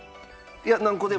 いや何個でも。